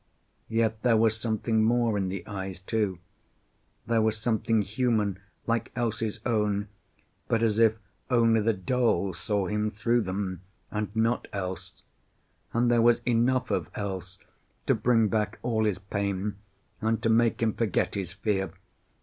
Yet there was something more in the eyes, too; there was something human, like Else's own, but as if only the doll saw him through them, and not Else. And there was enough of Else to bring back all his pain and to make him forget his fear.